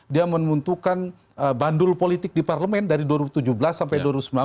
dia menentukan bandul politik di parlemen dari dua ribu tujuh belas sampai dua ribu sembilan belas